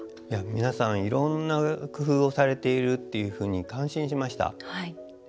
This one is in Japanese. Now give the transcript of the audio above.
皆さん、いろんな工夫をされているというふうに関心しました。